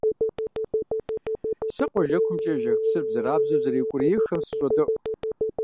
Сэ къуажэкумкӀэ ежэх псыр бзэрабзэу зэреукӀуриехым сыщӀодэӀу.